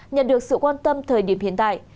nhận được sự quan tâm thời điểm hiện tại